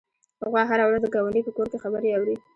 غوا هره ورځ د ګاونډي په کور کې خبرې اوري.